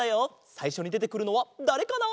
さいしょにでてくるのはだれかな？